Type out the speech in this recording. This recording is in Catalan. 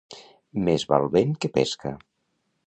Més val vent que pesca.